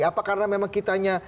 apa karena memang kitanya